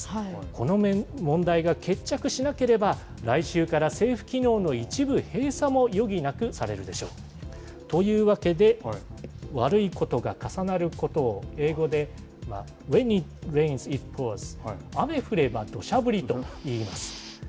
この問題が決着しなければ、来週から政府機能の一部閉鎖も余儀なくされるでしょう。というわけで、悪いことが重なることを英語で、Ｗｈｅｎｉｔｒａｉｎｓ，ｉｔｐｏｕｒｓ、雨降ればどしゃ降りといいます。